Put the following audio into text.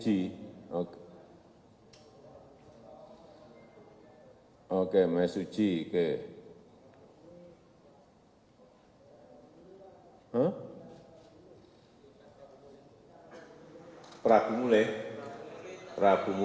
itu dimelukkan sampai warna itu